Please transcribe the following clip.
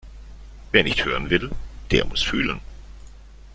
Wer nicht hören will, der muss fühlen.